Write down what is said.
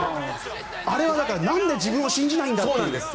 あれは、なんで自分を信じないんだという。